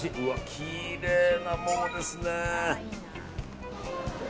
きれいな桃ですね。